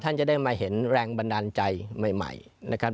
ท่านจะได้มาเห็นแรงบันดาลใจใหม่นะครับ